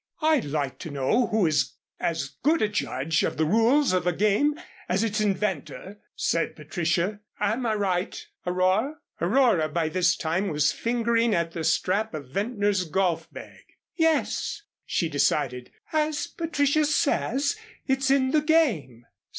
"I'd like to know who is as good a judge of the rules of a game as its inventor," said Patricia. "Am I right, Aurora?" Aurora by this time was fingering at the strap of Ventnor's golf bag. "Yes," she decided, "as Patricia says, it's in the game."